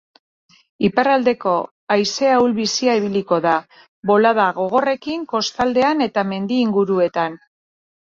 Iparraldeko haize ahul-bizia ibiliko da, bolada gogorrekin kostaldean eta mendi inguruetan.